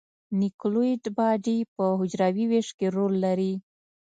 نوکلوئید باډي په حجروي ویش کې رول لري.